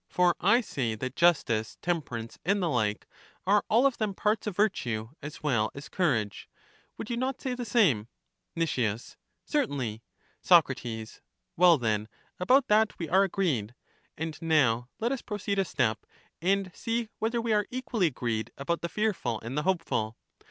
For I say that justice, temperance, and the like, are all of I LACHES 115 them parts of virtue as well as courage. Would you not say the same ? Nic, Certainly. Soc. Well then, about that we are agreed. And now let us proceed a step, and see whether we are equally agreed about the fearful and the hopeful.